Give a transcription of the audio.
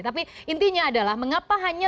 tapi intinya adalah mengapa hanya